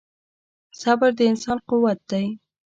• صبر د انسان قوت دی.